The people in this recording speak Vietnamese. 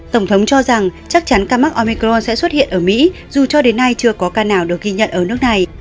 tổng thống cho rằng chắc chắn ca mắc omicro sẽ xuất hiện ở mỹ dù cho đến nay chưa có ca nào được ghi nhận ở nước này